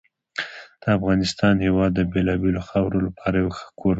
د افغانستان هېواد د بېلابېلو خاورو لپاره یو ښه کوربه دی.